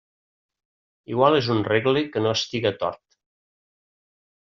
Igual és un regle que no estiga tort.